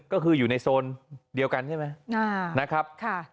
ก็คืออยู่ในโซนเดียวกันใช่ไหมนะครับ